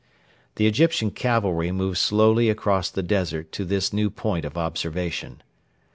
The Egyptian cavalry moved slowly across the desert to this new point of observation.